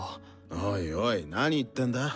おいおいなに言ってんだ？